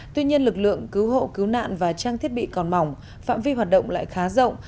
tuy nhiên lực lượng cứu hộ cứu nạn và trang thiết bị còn mỏng phạm vi hoạt động lại khá rộng